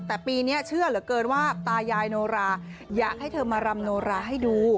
แต่ปีนี้เชื่อเหลือเกินว่าตายายโนราอยากให้เธอมารำโนราให้ดู